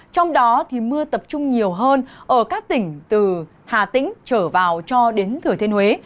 trong đó mưa tập trung nhiều hơn ở các tỉnh từ hà tĩnh trở vào cho đến thừa thiên huế